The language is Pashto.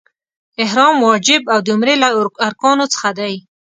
احرام واجب او د عمرې له ارکانو څخه دی.